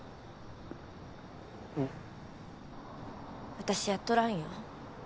「私やっとらんよ」